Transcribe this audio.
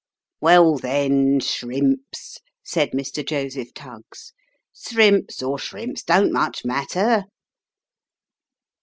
" Well then, shrimps," said Mr. Joseph Tuggs. " Srimps or shrimps, don't much matter."